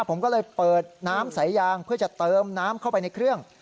ผมก็เลยเปิดน้ำสายยางเพื่อจะเติมน้ำเข้าไปในเครื่อง